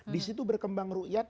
disitu berkembang ru'yat